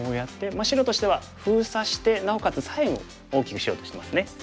まあ白としては封鎖してなおかつ左辺を大きくしようとしてますね。